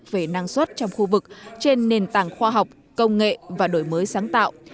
hội nghị thúc đẩy hợp tác về năng suất trong khu vực trên nền tảng khoa học công nghệ và đổi mới sáng tạo